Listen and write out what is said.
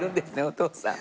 お父さん。